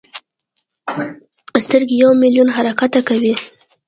سترګې یو ملیون حرکتونه کوي.